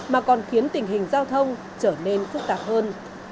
mà còn khiến tình hình giao thông trở nên phức tạp hơn